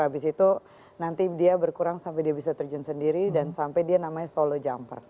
habis itu nanti dia berkurang sampai dia bisa terjun sendiri dan sampai dia namanya solo jumper